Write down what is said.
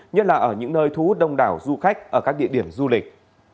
nhất là ở những nơi thú đông đảo du khách ở các địa điểm du lịch